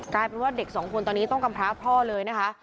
กลายเป็นว่าเด็กสองคนตอนนี้ต้องกำพร้าพ่อเลยนะคะ